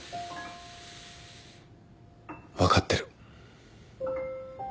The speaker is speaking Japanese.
分かってる。